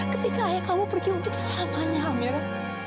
ketika ayah kamu pergi untuk selamanya amera